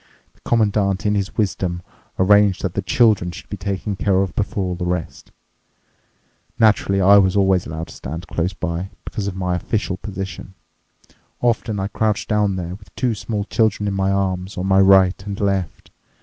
The Commandant, in his wisdom, arranged that the children should be taken care of before all the rest. Naturally, I was always allowed to stand close by, because of my official position. Often I crouched down there with two small children in my arms, on my right and left.